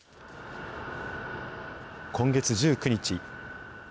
今月１９日。